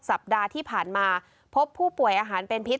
สัปดาห์ที่ผ่านมาพบผู้ป่วยอาหารเป็นพิษ